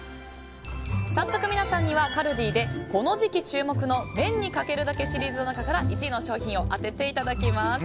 早速皆さんには、カルディでこの時期注目の麺にかけるだけシリーズの中から１位の商品を当てていただきます。